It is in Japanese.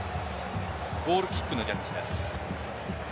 ゴールキックのジャッジです。